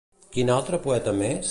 Quin altre poeta més?